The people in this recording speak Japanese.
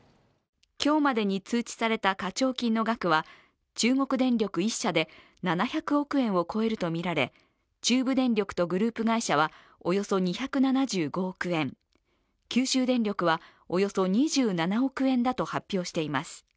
今日までに通知された課徴金の額は中国電力１社で７００億円を超えるとみられ中部電力とグループ会社はおよそ２７５億円、九州電力はおよそ２７億円だと発表しています。